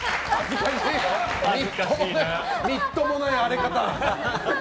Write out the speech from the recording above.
みっともない荒れ方。